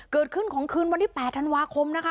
เกิดขึ้นของคืนวันที่๘ธันวาคมนะคะ